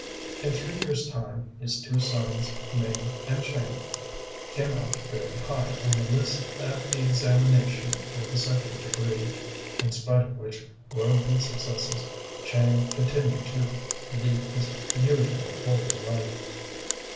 In three years' time his two sons, Ming and Chêng, came out very high on the list at the examination for the second degree, in spite of which worldly successes Chang continued to lead his usual holy life.